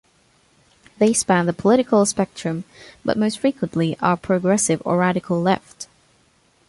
They span the political spectrum, but most frequently are progressive or radical left.